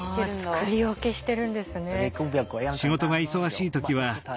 作り置きしてるんですね。